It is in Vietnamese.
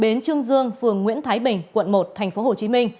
đến trương dương phường nguyễn thái bình quận một tp hcm